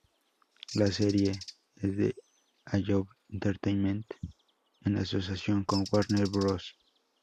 La serie es de Alloy Entertainment en asociación con Warner Bros.